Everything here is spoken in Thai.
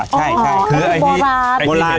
ใช่คือที่โบราณ